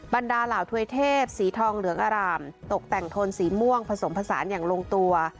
บรรดาเหล่าถวยเทพสีทองเหลืองอร่ามตกแต่งโทนสีม่วงผสมผสานอย่างลงตัว